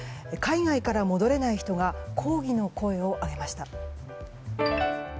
海外から戻れない人が抗議の声を上げました。